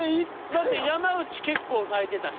だって山内結構抑えてたし。